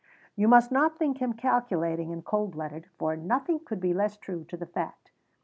You must not think him calculating and cold blooded, for nothing could be less true to the fact.